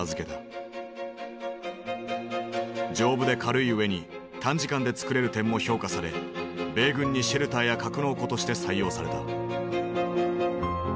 丈夫で軽いうえに短時間でつくれる点も評価され米軍にシェルターや格納庫として採用された。